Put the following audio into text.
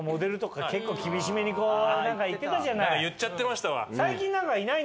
なんか言っちゃってましたわ。